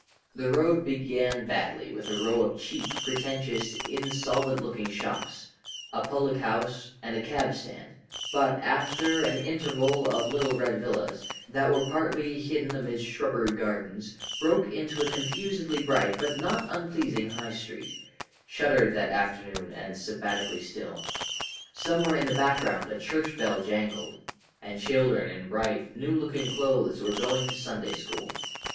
The road began badly with a row of cheap, pretentious, insolvent looking shops, a public house, and a cab stand, but, after an interval of little red villas that were partly hidden amidst shrubbery gardens, broke into a confusedly bright but not unpleasing High Street, shuttered that afternoon and sabbatically still. Somewhere in the background a church bell jangled, and children in bright, new looking clothes were going to Sunday school.